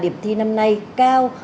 điểm thi năm nay cao